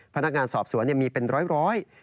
พนักงานสอบสวนมีเป็นร้อย